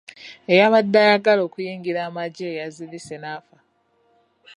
Eyabadde ayagala okuyingira amagye yazirise n'afa.